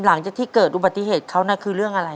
หลังจากที่เกิดอุบัติเหตุเขาน่ะคือเรื่องอะไร